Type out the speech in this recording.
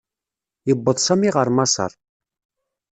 Yewweḍ Sami ɣer Maṣeṛ.